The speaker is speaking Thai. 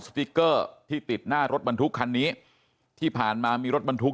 สติ๊กเกอร์ที่ติดหน้ารถบรรทุกคันนี้ที่ผ่านมามีรถบรรทุก